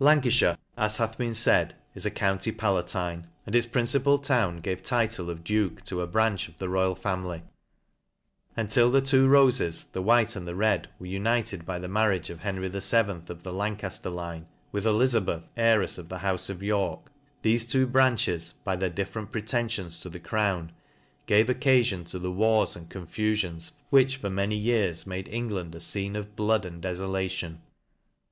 Lancajhire, as hath been faid, is a county pala tine : and its principal town gave title of duke to a branch of the royal family ; and till the two rofes, the wbite and red, were united by the marriage of Henry VII. of the Lancajler line, with Elizabeth y heirefs of the houfe of Tork^ thefe two branches, by their different pretenfions to the crown, gave occa fion to the wars and confufions, which for many years made England a fcene of blood and defolation..